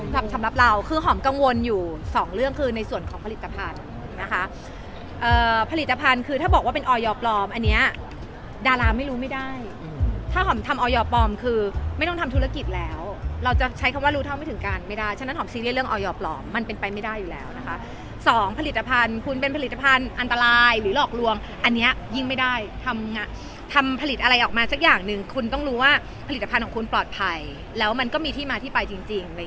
ทำทำทำทำทำทำทำทำทำทำทำทำทำทำทำทำทำทำทำทำทำทำทำทำทำทำทำทำทำทำทำทำทำทำทำทำทำทำทำทำทำทำทำทำทํ